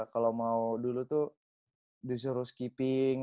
kalau mau dulu tuh disuruh skipping